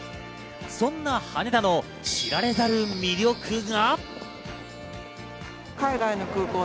そんな羽田の知られざる魅力が。